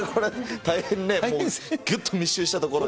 大変ね、ぎゅっと密集したところで。